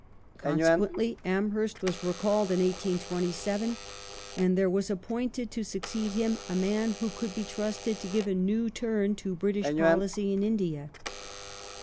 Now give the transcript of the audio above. Consequently Amhei*st was recalled in 1827, and there was appointed to succeed him a man who could be trusted to give a new turn to British policy in India.